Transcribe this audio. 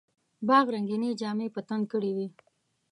باغ رنګیني جامې په تن کړې وې.